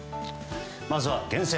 まずは厳選！